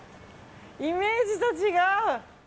イメージと違う。